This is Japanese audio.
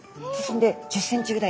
１０ｃｍぐらい。